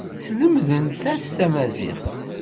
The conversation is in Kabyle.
Slemdent-as tamaziɣt.